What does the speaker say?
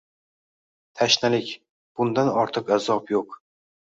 Tashnalik! Bundan ortiq azob yo‘q